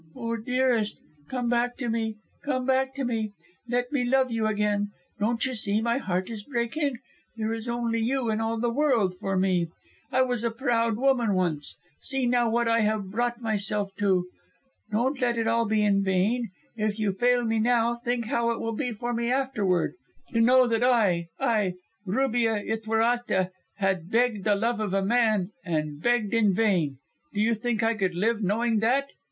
"Oh, dearest, come back to me; come back to me. Let me love you again. Don't you see my heart is breaking? There is only you in all the world for me. I was a proud woman once. See now what I have brought myself to. Don't let it all be in vain. If you fail me now, think how it will be for me afterward to know that I I, Rubia Ytuerate, have begged the love of a man and begged in vain. Do you think I could live knowing that?"